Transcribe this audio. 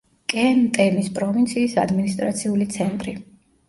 კე-ნტემის პროვინციის ადმინისტრაციული ცენტრი.